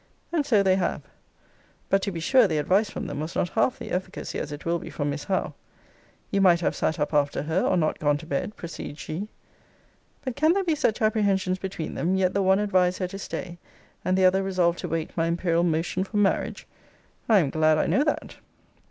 And so they have. But to be sure, the advice from them was not half the efficacy as it will be from Miss Howe. 'You might have sat up after her, or not gone to bed,' proceeds she. But can there be such apprehensions between them, yet the one advise her to stay, and the other resolve to wait my imperial motion for marriage? I am glad I know that.